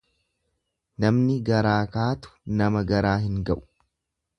Namni garaa kaatu nama garaa hin ga'u.